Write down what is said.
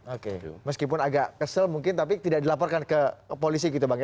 oke meskipun agak kesel mungkin tapi tidak dilaporkan ke polisi gitu bang ya